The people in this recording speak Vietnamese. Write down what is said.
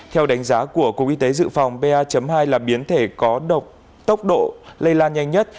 theo đánh giá của cục y tế dự phòng ba hai là biến thể có tốc độ lây lan nhanh nhất